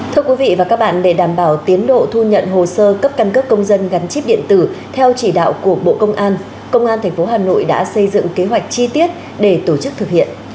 thưa quý vị và các bạn để đảm bảo tiến độ thu nhận hồ sơ cấp căn cấp công dân gắn chip điện tử theo chỉ đạo của bộ công an công an tp hà nội đã xây dựng kế hoạch chi tiết để tổ chức thực hiện